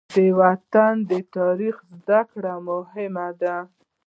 د وطن د تاریخ زده کړه مهمه ده.